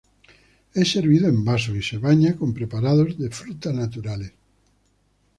Es servido en vasos y se baña con preparados de fruta naturales.